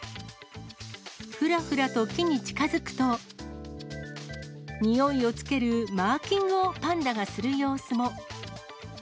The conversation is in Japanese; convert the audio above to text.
ふらふらと木に近づくと、においをつけるマーキングをパンダがする様子も。